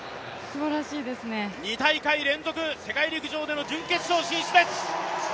２大会連続世陸陸上での準決勝進出です。